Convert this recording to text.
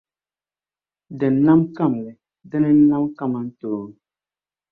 Din nam kamli, dina n-nam kamtoo.